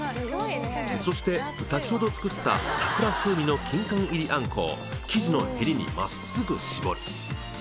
そして先ほど作った桜風味の金柑入り餡子を生地のへりに真っすぐ絞る。